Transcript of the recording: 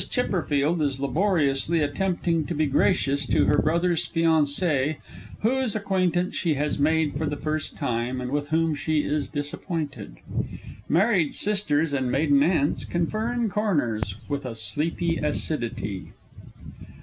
C. _is laboriously attempting to be gracious to her Brother's Fiancée, whose acquaintance she has made for the first time, and with whom she is disappointed_. _Married Sisters and Maiden Aunts confer in corners with a sleepy acidity.